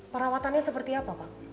perawatannya seperti apa pak